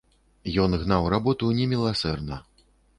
Ён гнаў работу неміласэрна.